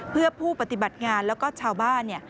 เพื่อผู้ปฏิบัติงานแล้วก็ชาวบ้าน